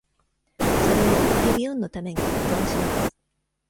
それをトリビューンのために保存します。